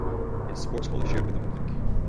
Its sports hall is shared with the public.